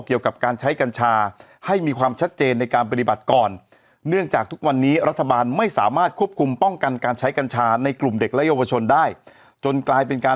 เกี่ยวกับการใช้กัญชา